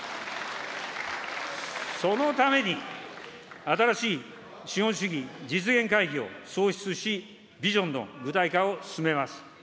そのために、新しい資本主義実現会議を創設し、ビジョンの具体化を進めます。